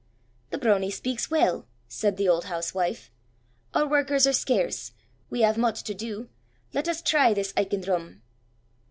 "The Brownie speaks well," said the old housewife. "Our workers are scarce. We have much to do. Let us try this Aiken Drum."